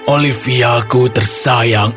olivia ku tersayang